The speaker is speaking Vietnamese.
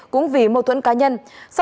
cũng vì mâu thuẫn cá nhân